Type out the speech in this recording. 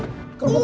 dia kayak bodoh